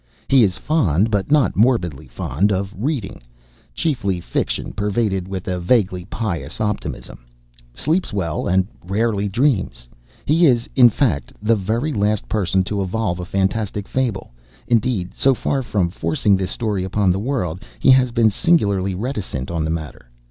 He is fond, but not morbidly fond, of reading, chiefly fiction pervaded with a vaguely pious optimism, sleeps well, and rarely dreams. He is, in fact, the very last person to evolve a fantastic fable. Indeed, so far from forcing this story upon the world, he has been singularly reticent on the matter.